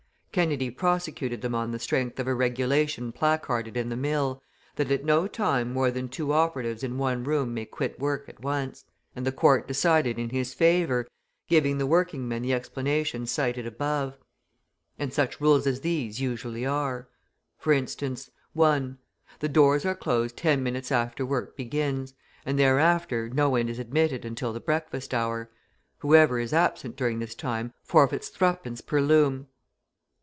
Kennedy prosecuted them on the strength of a regulation placarded in the mill, that at no time more than two operatives in one room may quit work at once. And the court decided in his favour, giving the working men the explanation cited above. {179a} And such rules as these usually are! For instance: 1. The doors are closed ten minutes after work begins, and thereafter no one is admitted until the breakfast hour; whoever is absent during this time forfeits 3d. per loom.